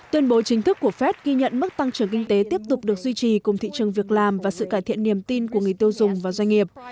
tuyên bố chính thức của fed ghi nhận mức tăng trưởng kinh tế tiếp tục được duy trì cùng thị trường việc làm và sự cải thiện niềm tin của người tiêu dùng và doanh nghiệp